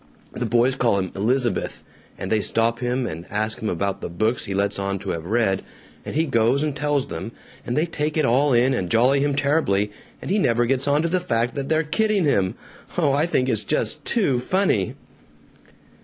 The boys call him 'Elizabeth,' and they stop him and ask about the books he lets on to have read, and he goes and tells them, and they take it all in and jolly him terribly, and he never gets onto the fact they're kidding him. Oh, I think it's just TOO funny!"